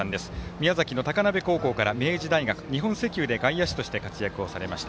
宮崎の高鍋高校から明治大学、日本石油で外野手として活躍をされました。